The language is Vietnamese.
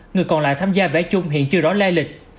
người còn lại tham gia vẽ chung hiện chưa rõ lai lịch